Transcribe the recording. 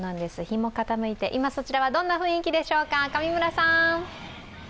日も傾いて、今そちらはどんな雰囲気でしょうか？